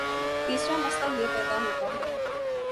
تیسرامسئلہ یہ پیدا ہوتا ہے